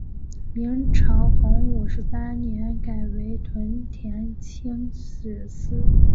明朝洪武十三年改为屯田清吏司。